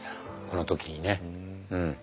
この時にね。